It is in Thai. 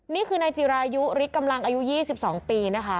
นี่คือนายจิรายุฤทธิกำลังอายุ๒๒ปีนะคะ